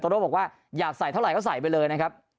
โร่บอกว่าอยากใส่เท่าไหร่ก็ใส่ไปเลยนะครับ